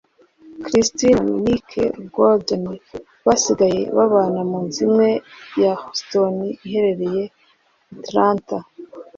Kristina na Nick Gordon basigaye babana mu nzu imwe ya Houston iherereye i Atlanta